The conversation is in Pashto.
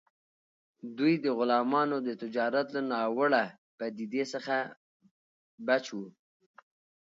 دوی د غلامانو د تجارت له ناوړه پدیدې څخه بچ وو.